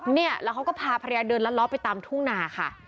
เนี่ยแล้วเขาก็พาภรรยาเดินลัดล้อไปตามทุ่งนาค่ะ